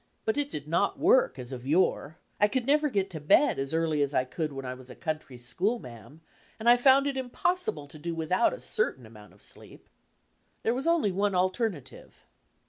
But it did not work, as of yore. I could never get to bed as early as I could when I was a country 'schoolma'am' and I found it impossible to do without a certain amount of sleep. There was only one alternative.